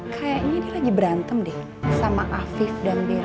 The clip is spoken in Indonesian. kayaknya dia lagi berantem deh sama afif dan bella